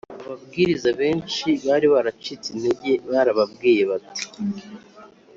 Ababwiriza benshi bari baracitse intege barababwiye bati